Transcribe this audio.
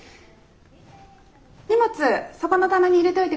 荷物そこの棚に入れておいて下さい。